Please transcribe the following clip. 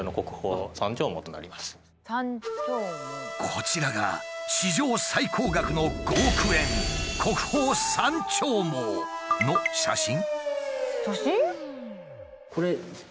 こちらが史上最高額の５億円写真？